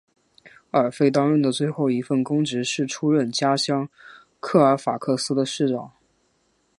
韦弗担任的最后一份公职是出任家乡科尔法克斯的市长。